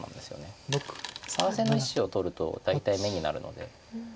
３線の１子を取ると大体眼になるので。